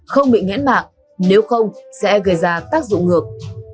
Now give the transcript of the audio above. không bị ngã mạng nếu không sẽ gây ra tác dụng ngược